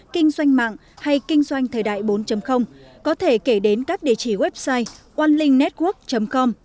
kinh doanh mạng hay kinh doanh thời đại bốn có thể kể đến các địa chỉ website onelinknetwork com